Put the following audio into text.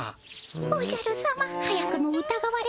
おじゃる様早くもうたがわれております。